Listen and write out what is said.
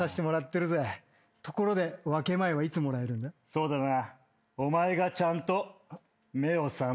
そうだな。